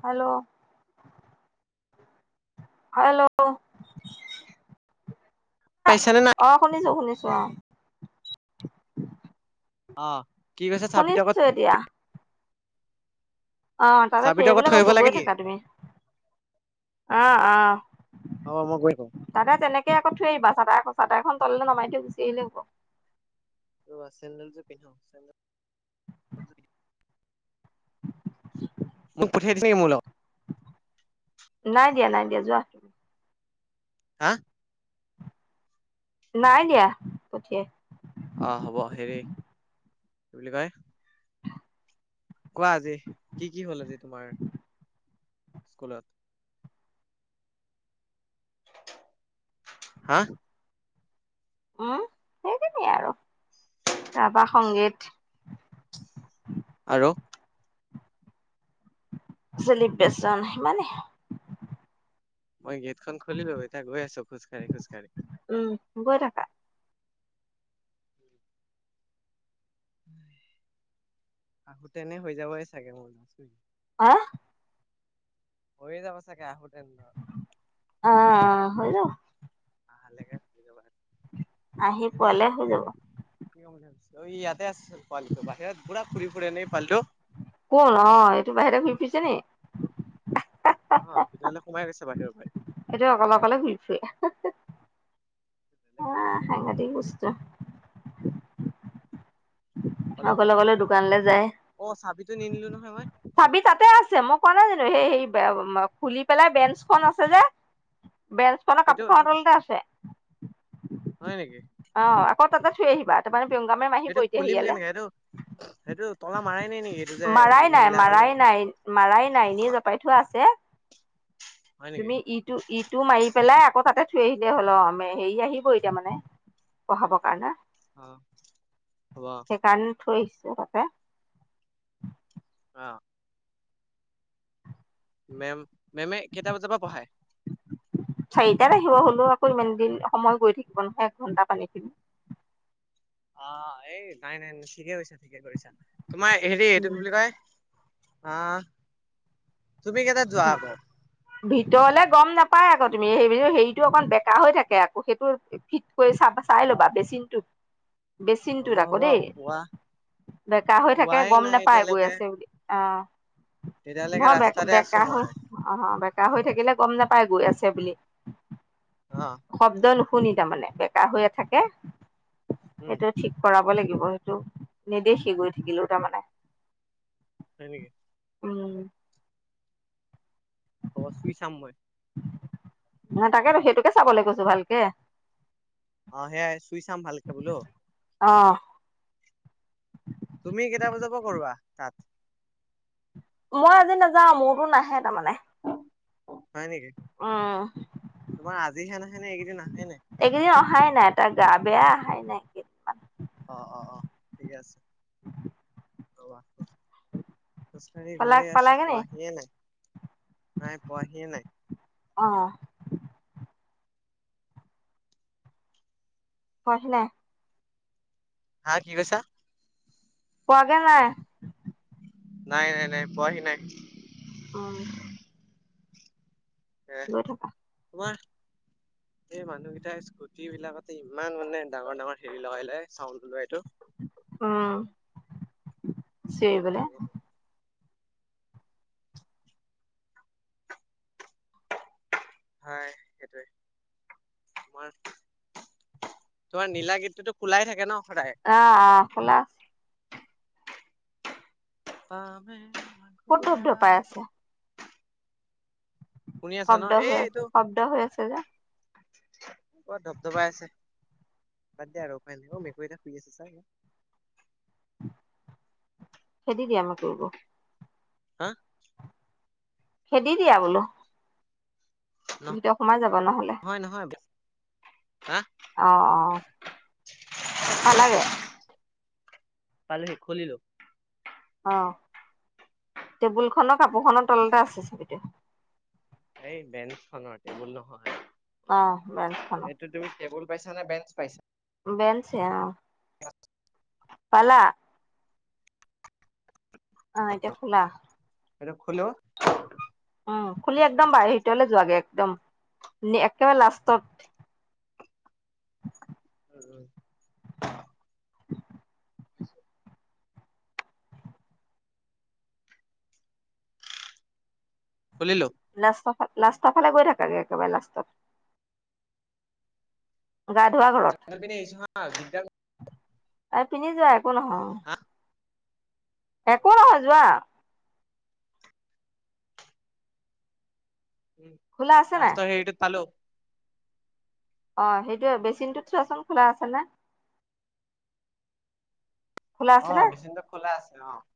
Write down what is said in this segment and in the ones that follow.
Hello. Hello পাইছানে নাই? অ শুনিছো শুনিছো [unintelligible] অ কি কৈছে চাবিটো আগত শুনিছো এতিয়া। অ তাতে থৈ চাবিটো আগত আহিবলৈ আহিব কৈছো গৈ লাগে কি? থাকা তুমি, অ আহ অ', মই গৈ থাকো। তাতে তেনেকে আকৌ থৈ আহিবা চাটাৰখন চাটৰখন তলা নামৰা কৈ গুচি আহিলে হ'ব। ৰ চেণ্ডেলযোৰ পিন্ধো চেণ্ডেলযোৰ পিন্ধো। তোক পঠিয়াই দিছে নেকি মোৰ লগত? নাই দিয়া, নাই দিয়া যোৱা তুমি। হা নাই দিয়া পঠিয়াই আহ হ'ব, হেৰি কি কয় কোৱা আজি, কি কি হ'ল আজি তোমাৰ স্কুলত। হা উম সেইখিনিয়ে আৰু ৰাভা সংগীত আৰু চেলিব্ৰেচন সিমানে। মই গেটখন খুলিলো, এতিয়া গৈ আছো খোজ কাঢ়ি খোজ কাঢ়ি। উম গৈ থাকা আহোতে এনে হৈ যাবই চাগে মোৰ। [unintelligible] আহ হৈয়ে যাব চাগে আহোতে। অ হয়দিয়া আহালৈকে হৈ যাব লাগে। আহি পোৱালে হৈ যাব। অ ইয়াত তেজ পোৱালিটো বাহিৰত পুৰা ঘুৰি ফুৰে নে পোৱালিটো। কোন? অ এইটো বাহিৰে ঘুৰি ফুৰিছে নেকি? অ', ভিতৰলৈ সোমাই গৈছে বাহিৰৰ পৰা আহি। সেটো অকলে অকলে ঘূই ফুৰে। আহ পৰা সাংঘতিক বস্তু। অকলে অকলে দোকানলৈ যায়, অ চাবিটো নিনিলো নহয় মই চাবি তাতে আছে মই কোৱা নাই জানো। সেই সে [unintelligible] খুলি পেলাই বেঞ্চখন আছে যে বেঞ্চখনৰ সেইটো কাপোৰ খনৰ তলতে আছে। হয় নেকি অ আকৌ তাতে থৈ আহিবা, তাৰ মানে এইটো খুলিম কেনেকে? এইটো সেইটো তলা মাৰাই নেক মাৰাই নাই, মাৰাই নাই, মাৰাই নাই, এনেই জপাই থোৱা আছে। হয় নেকি তুমি ইটো-ইটো মাৰি পেলাই আকৌ তাতে থৈ আহিলে হ'ল অ মে হেৰি আহিব এতিয়া মানে পঢ়াপকা ন অ হ'ব সেইকাৰণে থৈছ তাতে অ মেম, মেমে কেইটা বজাৰ পৰা পঢ়ায়? চাৰিটাত আহিব হলেও আকৌ ইমান দিন সময় গৈ থাকিব নহয় এঘন্টা পানীখিনি আহ এই নাই, নাই, ঠিকে কৈছে। কি কৰিছা? তোমাৰ হেৰি এইটো কি বুলি উম কয় আহ তুমি কেইটাত যোৱা আকৌ? ভিতৰলে গম নাপায় আকৌ তুমি সেই হেৰিটো অকণ বেকা হৈ থাকে আকৌ, সেইটো চাবা, চাই ল'বা বেচিনটোত বেচিনটোত আকৌ হ'ব হ'ব দেই, পোৱা বেকা হৈ থাকে পোৱাই গম নেপায় গৈ আছে বুলি। আহ তেতিয়ালৈকে ৰাস্তাতে আছ কাহৈ অ, হ, হবা কাঁহ হৈ থাকিলে গম নাপাই গৈ আছে বুলি। অ শব্দ লহ শুনি তাৰমানে বেকা হৈয়ে থাকে। উম সেটোৱে ঠিক কৰাব লাগি কি হ'ব সেইটো? নেদেখি গৈ থাকিলো তাৰমানে। হয় নেকি? উম হ'ব চুই চাম মই। নহয় তাকেতো সেইটোকে চাবলে কৈছো ভালকে। অ', সেয়াই চুই চাম ভালকে বোলো। অহ তুমি কেইটা বজা পৰা কৰোৱা তাত? মই আজি নাযাওঁ, মোৰতো নাহে তাৰমানে। হয় নেকি? উম তোমাৰ আজিহে নাহে নে এইকেইদিন আহায়ে নাই? এইকেইদিন অহাই নাই, তাৰ গা বেয়া আহাই নাই কেইদিনমান। অ', অ', অ', ঠিকে আছে। [inaudible] তৱা, খোজকাঢ়ি পালা গৈয়ে আছো পালাগে নি পোৱাহিয়ে নাই-নাই পোৱাহিয়ে নাই। অ অ আহিলে। হা, কি কৈছা? পুৱাগে নাই। নাই-নাই-নাই পোৱাহি নাই। অ। এহ, থকা তোমাৰ। এই মানুহকেইটাই স্কুটি বিলাকতে ইমান মানে ডাঙৰ-ডাঙৰ হেৰি লগাই লয়। চাউণ্ড ওলোৱা এইটো। অহ। চে একদম বোলে। ভাল নালাগে। হয় সেইটোৱে। তোমাৰ তোমাৰ নীলা গেতটোটো খোলাই থাকে ন। সদায়। আ-আ খোলা। পামে। ক'ত ধপ-ধপাই আছে। শুনি আছা ন শব্দ হৈ আছ শব্দ হৈ আছে যে। ব ধপ-ধপাই আছে, বাদ দে আৰু উপায় নাই, অ', মেকুৰী এটা শুই আছে চা। খেদি দিয়া মেকুৰীবোৰ। হা? খেদি দিয়া বোলো। ভিতৰত সোমাই যাব ন'হলে। নহয় নহয় হা? অ'-অ, পালাগে? পালেই খুলিলো। অ', টেবুল খনৰ কাপোৰ খনৰ তলতে আছে চাবিটো। এই বেঞ্চ খনৰ টেবুল নহয়। অ', বেঞ্চ খনৰ এইটো তুমি টেবুল পাইছা নে বেঞ্চ পাইছা? বেঞ্চে অ'। পালা। অ', এতিয়া খোলা। এইটো খোলো উম', খুলি একদম বাহিৰ ভিতৰলৈ যোৱাগে একদম, একেবাৰে লাষ্টত [inaudible] [inaudible] খুলিলো। লাষ্টফা লাষ্টৰফালে গৈ থাকাকে একেবাৰে লাষ্টত গা ধোৱা ঘৰত এই পিনে আহিছো হা দিগদাৰ আগ পিনে যোৱা। একো নহয়। হা একো নহয় যোৱা। উম', খোলা আছে নাই লাষ্ট হেৰিটোত পালো। অহ', সেইটোৱে, বেচিনটোত চোৱাচোন খোলা আছে নাই। অহ', মেচিনটো খোলা আছে। অহ ',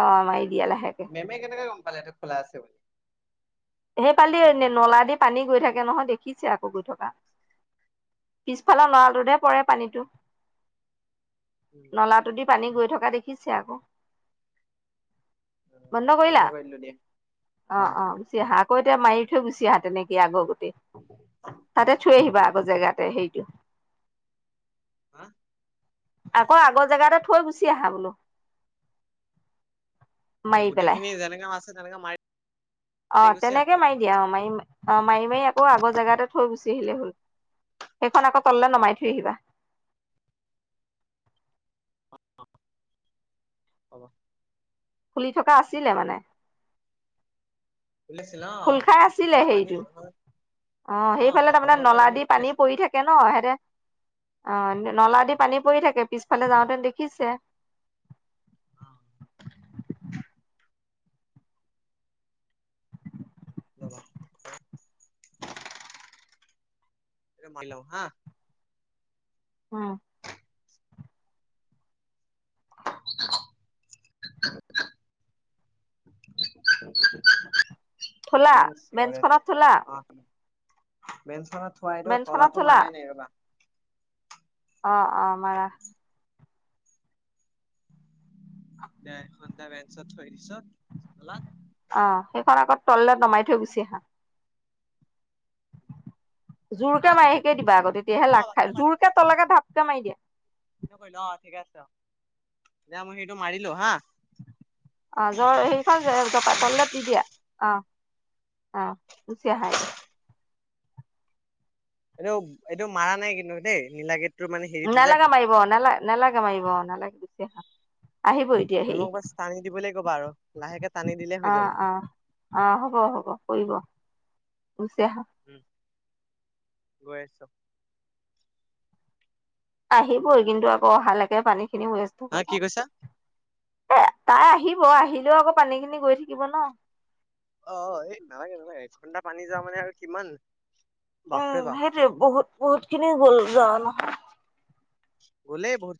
অহ', মাৰি দিয়া লাহেকে মেমে কেনেকৈ গম পালে এইটা খোলা আছে বুলি। হেই ফালেদি নলা দি পানী গৈ থাকে নহয় দেখিছে আকৌ গৈ থকা। পিছফালৰ নলাটোতহে পৰে পানীটো। বুলি নলাটো দি পানী গৈ থকা দেখিছে আকৌ। বন্ধ কৰিলা, কৰি দিলো দিয়া অ অহ', - অহ ', আকৌ এতিয়া মাৰি থৈ গুচি আহা তেনেকে আগৰ গ তাতে থৈ আহিবা আকৌ জেগাতে হেই [inaudible] [unintelligible] আকৌ আগৰ জেগাতে থৈ গুচি আহা বোলো। অহ ', মাৰি গোটেইখিনি যেনেক আছে তেনেকে মাৰি অহ ', গুচি আহো তেনেকে মাৰি দিয়া অহ ', মাৰি অহ ', মাৰি মাৰি আকৌ আগৰ জেগাতে থৈ গুচি আহিলে হল সেইখন আকৌ তললে নমাই থৈ আহিবা। হ'ব। খুলি থকা আছিলে মানে। ওলাইছিল অ খোল খাই আছিলে পুৰা পানী হেৰিটো হয় অহ ', অ সেইফালে সৰ তাৰমানে সৰকে নলা দি গৈ পানী আছে পৰি থাকে ন সিহঁতে। অহ ', নলা দি পানী পৰি থাকে পিছফালে যাওঁতে দেখিছে। অহ ', [unintelligible] [unintelligible] হা উম', [inaudible] থলা ইমান চিঞৰে যে বেঞ্চখনত থলা। অ বেঞ্চখনত। থুৱাই দিও বেঞ্চখনত তলাতো মাৰাই নাই ৰবা। অহ - অহ মাৰা। ডেৰ ঘন্টা বেঞ্চত থৈ দিচো তলা। অ সেইখন আকৌ তললে নমাই থৈ গুছি আহা। জোৰকে হা মাৰি শিকে দিবা আকৌ তেতিয়াহে অ লাগ বাথৰুমৰ খাই পানী পৰি জোৰকে আছে তলাকে ঢাপকে মাৰি দিয়া। দিয়া মই সেইটো মাৰিলো হা। অ' জ্বৰ হেখন জপাই তল দি দিয়া অ' অ' গুচি আহা এতিয়া। এইটো এইটো মাৰা নাই কিন্তু দেই নীলা মানে হেৰিটো যে নালাগে মাৰিব, নাল নালাগে মাৰিব, অ' নালাগে। [unintelligible] আহিব এতিয়া হে মেমক বাছ টানি দিবলৈ ক'বা আৰু লাহেকে টানি দিলে হৈ যাব অ' অ' আহ হ'ব, হ'ব কৰিব। গুচি আহা। উ'ম গৈ আছো। আহিবই কিমান কিন্তু আকৌ অহালৈকে পানী খিনি ৱেষ্ট হব হা ন কি কৈছা এ! তাই আহিব। আহিলেও আকৌ পানী খিনি গৈ থাকিব ন। অ' এই নালাগে নালাগে এক ঘণ্টা পানী যোৱা মানে আৰু কিমান? বাপৰে উ'ম বাপ সেইটো বহুত বহুত খিনি গ'ল যা ন। [unintelligible]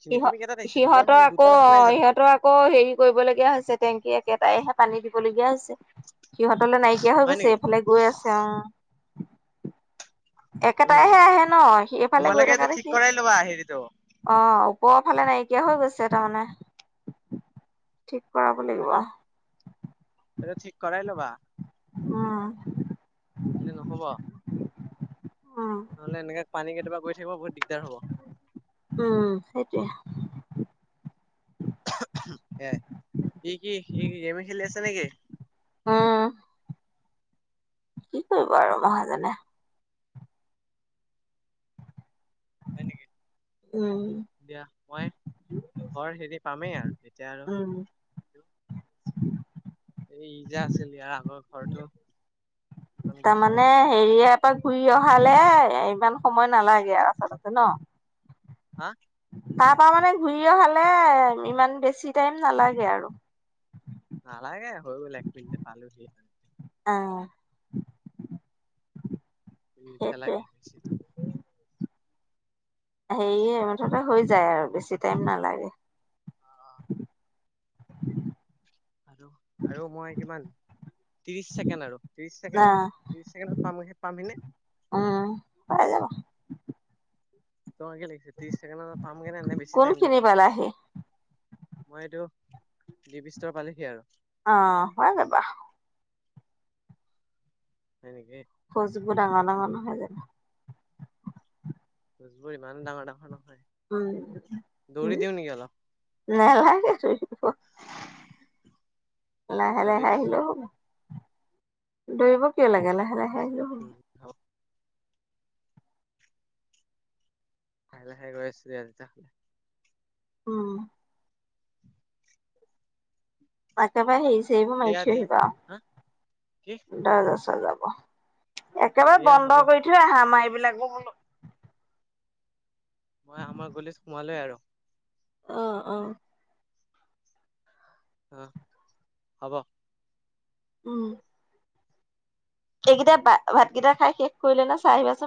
খিনি তুমি কেইটাত সিহত আহিছা দুটা সিহঁতৰ আকৌ দুটাত অহা নাই অ' জানো সিহঁতৰ আকৌ হেৰি কৰিব লগীয়া হৈছে টেংকী একেটাইহে পানী দিবলগীয়া হৈছে। সিহঁতলে নাইকিয়া হৈ হয় গৈছে নেকি এইফালে গৈ আছে অ' উম একেটাইহে আহে ন সেইফালে গৈ তোমালোকে থকা এইটো ঠিক দেখি কৰাই ল'বা হেৰিটো অ' ওপৰৰ ফালে নাইকিয়া হৈ গৈছে তাৰমানে থিক এইটো এইটো ঠিক কৰাই ল'বা। উ'ম। মানে নহব। উম, নহ'লে এনেকে পানী কেতিয়াবা গৈ থাকিব বহু দিক উ'ম সেইটোৱে সেয়াই ই কি ই কি গেমে খেলি আছে নেকি? অ' কি কৰিব আৰু মহাজনে। হয় নেকি। উম, দিয়া মই ঘৰ হেৰি পামেই আৰু এতিয়া আৰু উম। এই ই যো আছিল ইয়াৰ আগৰ ঘৰটো সেইখন গৈছো তাৰমানে হেৰিয়ে এপাক ঘূৰি অহা লে ইমান সময় নালাগে আৰু আচলতে ন। [unintelligible] তাৰ পৰা মানে ঘূৰি অহালে ইমান বেছি টাইম নালাগে আৰু নালাগে হৈ গ'ল এক মিনিটে পালো হিয়ে। অ'। [inaudible] সেইটোৱে লাগে বেছিত। সেয় মুঠতে হৈ যায় আৰু বেছি টাইম নালাগে অ' [inaudible] আৰু, আৰু মই কিমান ত্ৰিশ ছেকেণ্ড আৰু ত্ৰিশ ছেকেণ্ড অ', ত্ৰিশ ছেকেণ্ডত পামে পামহি নে? উম, পাই যাবা। তোমাক কি লাগিছে ত্ৰিশ ছেকেণ্ড পাম গে নে বেছি টাইম কোনখিনি লগাম পালাহি? মই এইটো, ডপিষ্টৰ পালোহি আৰু অঁ পাই যাবা তেনেকে খোজবোৰ ডাঙৰ ডাঙৰ নহয় জনো খোজবোৰ ইমানো ডাঙৰ ডাঙৰ নহয় উম, দৌৰি উম দিওঁ নেকি অলপ নালাগে দৌৰিব লাহ দৌৰি লাহে দিওঁ আহিলেও হ'ব। দৌৰিব কিয় লাগে, লাহে লাহে আহা উম হ লাহে লাহে গৈ আছো দিয়া তেতিয়া হ'লে উম তাকে পাই সেইব মাইঠ দিয়া দিয়া আহিবা, হা কি দৰজা থি যাব একেবাৰে দিয়া হ'ব বন্ধ কৰি থৈ আহা [unintelligible] [unintelligible] মই আমাৰ গলিত সোমালোৱেই আৰু অঁ অঁ অঁ হব। উম এইকেইটা ভাতকেইটা খাই শেষ কৰিলে নাই চাই আহিবাচোন